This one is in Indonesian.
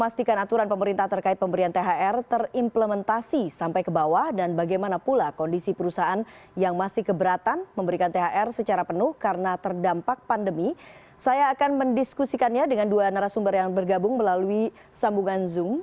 saya akan mendiskusikannya dengan dua narasumber yang bergabung melalui sambungan zoom